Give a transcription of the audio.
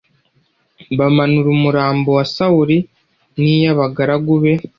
bamanura umurambo wa sawuli n iy’ abahungu be